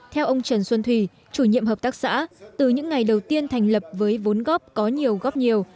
theo ông trần xuân thủy chủ nhiệm hợp tác xã từ những ngày đầu tiên thành lập với vốn góp có nhiều góp nhiều